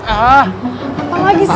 ah apa lagi sih